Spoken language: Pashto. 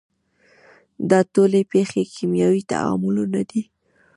دا ټولې پیښې کیمیاوي تعاملونه دي.